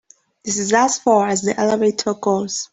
This is as far as the elevator goes.